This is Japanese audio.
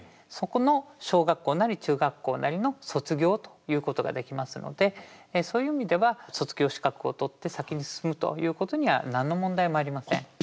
そこの小学校なり中学校なりの卒業ということができますのでそういう意味では卒業資格を取って先に進むということには何の問題もありません。